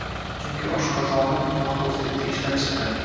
Chunki oshqozoni mahbuslikda ishdan chiqqan.